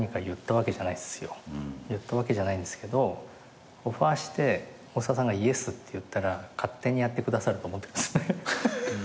言ったわけじゃないんですけどオファーして大沢さんがイエスって言ったら勝手にやってくださると思ってるんすね。